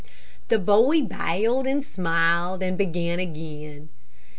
The boy bowed and smiled, and began again.